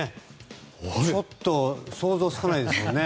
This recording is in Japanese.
ちょっと想像つかないですよね。